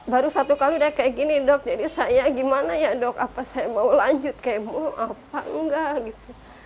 baru satu kali udah kayak gini dok jadi saya gimana ya dok apa saya mau lanjut kemo apa enggak gitu